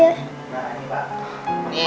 nah ini pak